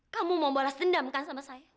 kamu mau balas dendam kan sama saya